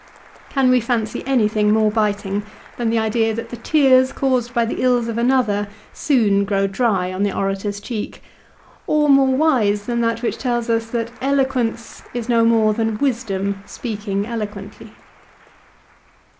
Can we fancy anything more biting than the idea that the tears caused by the ills of another soon grow dry on the orator's cheek, or more wise than that which tells us that eloquence is no more than wisdom speaking eloquently